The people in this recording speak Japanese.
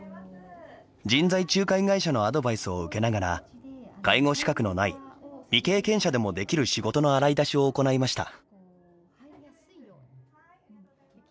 人材仲介会社のアドバイスを受けながら介護資格のない未経験者でもできる仕事の洗い出しを行いました。